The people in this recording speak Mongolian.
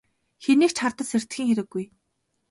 Хэнийг ч хардаж сэрдэхийн хэрэггүй.